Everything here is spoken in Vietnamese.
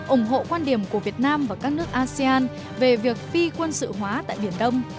ủng hộ quan điểm của việt nam và các nước asean về việc phi quân sự hóa tại biển đông